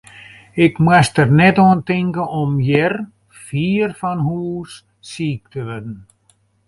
Ik moast der net oan tinke om hjir, fier fan hús, siik te wurden.